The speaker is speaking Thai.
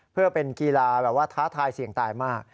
เพื่อเป็นกีฬาแบบว่าท้าทายเสี่ยงตายมาก